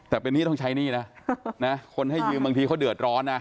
แต่เป็นหนี้ต้องใช้หนี้นะคนให้ยืมบางทีเขาเดือดร้อนนะ